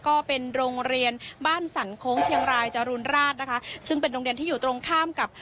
ก็เป็นโรงเรียนบ้านสรรโค้งเชียงรายจรูนราชนะคะซึ่งเป็นโรงเรียนที่อยู่ตรงข้ามกับ